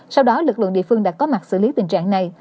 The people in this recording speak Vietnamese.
sau đó lực lượng địa phương đã có mặt xử lý tình trạng này